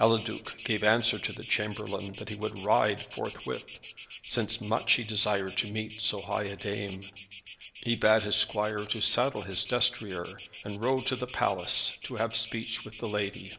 Eliduc gave answer to the chamberlain that he would ride forthwith, since much he desired to meet so high a dame. He bade his squire to saddle his destrier, and rode to the palace, to have speech with the lady.